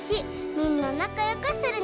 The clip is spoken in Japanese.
みんななかよくするのです。